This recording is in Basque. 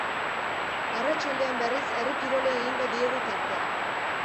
Arratsaldean, berriz, herri kirolei egingo diegu tartea.